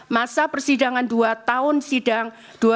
masa persidangan dua tahun sidang